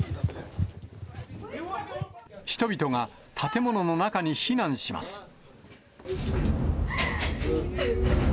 人々が建物の中に避難します。